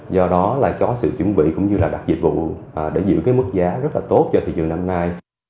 do đó là có sự chuẩn bị cũng như là đặt dịch vụ để giữ cái mức giá rất là tốt cho thị trường năm nay